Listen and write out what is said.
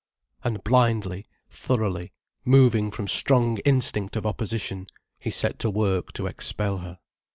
And blindly, thoroughly, moving from strong instinct of opposition, he set to work to expel her.